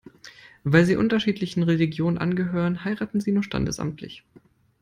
Weil sie unterschiedlichen Religionen angehören, heiraten sie nur standesamtlich.